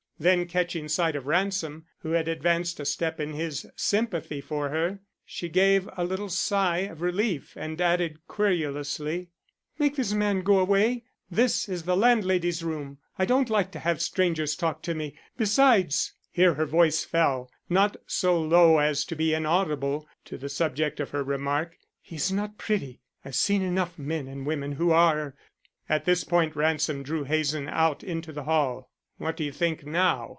Then catching sight of Ransom, who had advanced a step in his sympathy for her, she gave a little sigh of relief and added querulously: "Make this man go away. This is the landlady's room. I don't like to have strangers talk to me. Besides " here her voice fell, but not so low as to be inaudible to the subject of her remark, "he's not pretty. I've seen enough of men and women who are " At this point Ransom drew Hazen out into the hall. "What do you think now?"